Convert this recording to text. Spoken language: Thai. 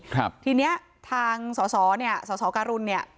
ทีเนี้ยทางสอสอเนี่ยสอสอการุณเนี่ย